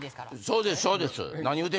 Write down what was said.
そうですそうです。